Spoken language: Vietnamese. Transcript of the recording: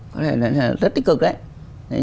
có lẽ là rất tích cực đấy